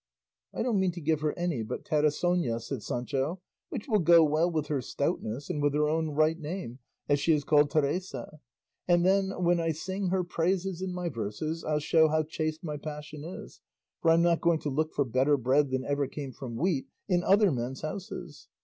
"I don't mean to give her any but Teresona," said Sancho, "which will go well with her stoutness and with her own right name, as she is called Teresa; and then when I sing her praises in my verses I'll show how chaste my passion is, for I'm not going to look 'for better bread than ever came from wheat' in other men's houses.